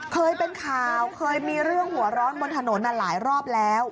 เคยเป็นข่าวเคยมีเรื่องหัวร้อนบนถนนหลายรอบแล้ว